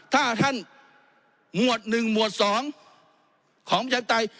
ถ้าท่านมวด๑มวด๒ของชายไต